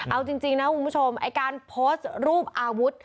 เอาจริงนะคุณผู้ชมไอ้การโพสต์รูปอาวุธ